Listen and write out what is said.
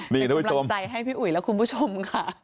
เป็นกำลังใจให้พี่อุ๋ยและคุณผู้ชมค่ะ